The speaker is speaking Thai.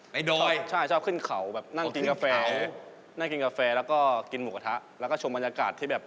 ในดอยชอบขึ้นเขานั่งกินกาแฟแล้วก็กินหมูกระทะแล้วก็ชมบรรยากาศที่แบบ